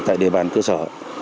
tại địa bàn cơ sở